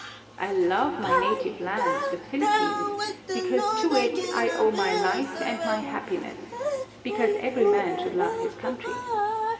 I love my native land, the Philippines, because to it I owe my life and my happiness, because every man should love his country.